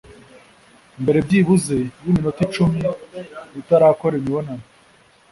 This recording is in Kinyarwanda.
mbere byibuze y'iminota icumi utarakora imibonano